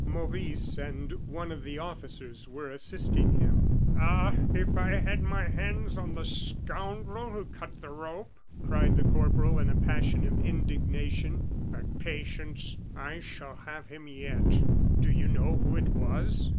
Maurice and one of the officers were assisting him. "Ah! if I had my hands on the scoundrel who cut the rope," cried the corporal, in a passion of indignation; "but patience. I shall have him yet." "Do you know who it was?"